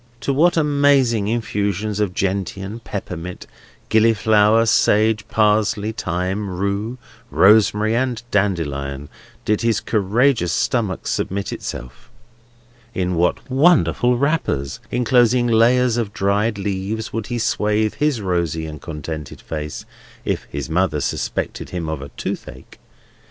To what amazing infusions of gentian, peppermint, gilliflower, sage, parsley, thyme, rue, rosemary, and dandelion, did his courageous stomach submit itself! In what wonderful wrappers, enclosing layers of dried leaves, would he swathe his rosy and contented face, if his mother suspected him of a toothache!